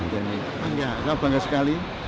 jadi saya bangga sekali